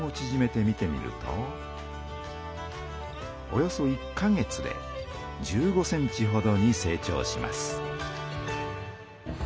およそ１か月で１５センチほどに成長します。